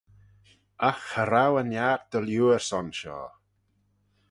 Agh cha row e niart dy liooar son shoh.